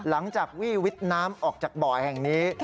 หลังจากวิวิตน้ำออกจากบ่อยแห่งนี้